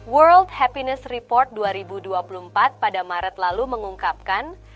world happiness report dua ribu dua puluh empat pada maret lalu mengungkapkan